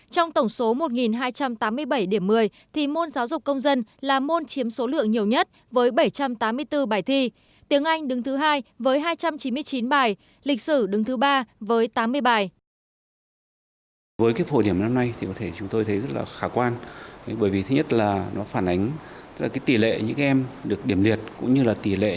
trong tổng số một hai trăm tám mươi bảy một mươi thì môn giáo dục công dân là môn chiếm số lượng nhiều nhất